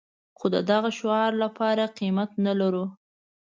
خو د دغه شعار لپاره قيمت نه لرو.